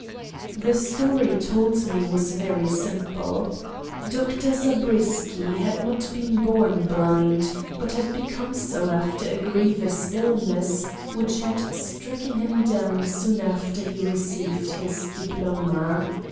The story told me was very simple. Dr. Zabriskie had not been born blind, but had become so after a grievous illness which had stricken him down soon after he received his diploma.